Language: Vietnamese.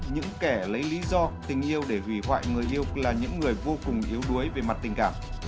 những kẻ lấy lý do tình yêu để hủy hoại người yêu là những người vô cùng yếu đuối về mặt tình cảm